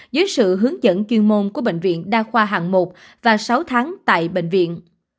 dưới sự hướng dẫn chuyên môn của bệnh viện đa khoa hạng một và sáu tháng tại bệnh viện